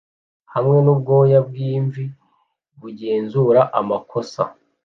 hamwe n'ubwoya bw'imvi bugenzura amakosa